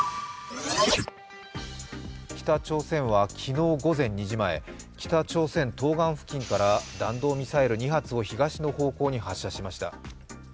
北朝鮮は昨日午前２時前、北朝鮮東岸付近から弾道ミサイル２発を東の方向に発射しました。